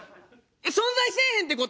存在せえへんって事？